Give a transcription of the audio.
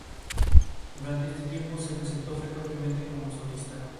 Durante este tiempo se presentó frecuentemente como solista.